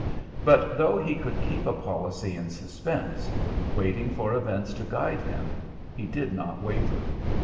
But though he could keep a policy in suspense, waiting for events to guide him, he did not waver.